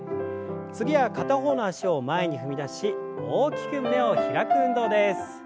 次は片方の脚を前に踏み出し大きく胸を開く運動です。